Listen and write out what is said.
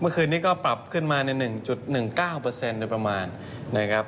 เมื่อคืนนี้ก็ปรับขึ้นมาใน๑๑๙โดยประมาณนะครับ